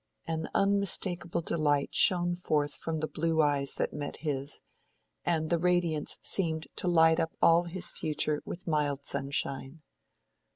An unmistakable delight shone forth from the blue eyes that met his, and the radiance seemed to light up all his future with mild sunshine.